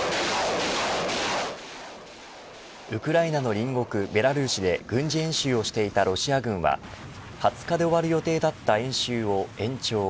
ウクライナの隣国ベラルーシで軍事演習をしていたロシア軍は２０日で終わる予定だった演習を延長。